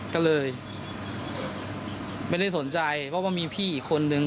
ก็เลยไม่ได้สนใจเพราะว่ามีพี่อีกคนนึง